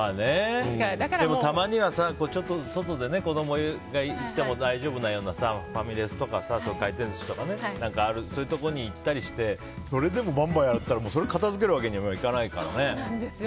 でも、たまには外で子供が行っても大丈夫なようなファミレスとか回転寿司とかそういうところに行ったりしてそれでもバンバンやったらそれを片付けるわけにもいかないからね。